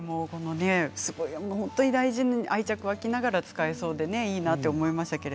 愛着湧きながら使えそうでいいなと思いました。